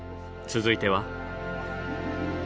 続いては？